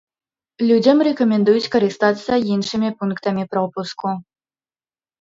Людзям рэкамендуюць карыстацца іншымі пунктамі пропуску.